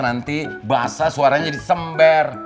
nanti basah suaranya jadi sember